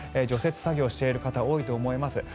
除雪作業をしている方多いと思います。